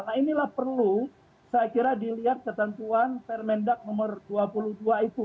nah inilah perlu saya kira dilihat ketentuan permendak nomor dua puluh dua itu